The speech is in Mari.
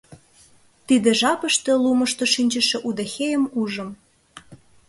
Тиде жапыште лумышто шинчыше удэхейым ужым.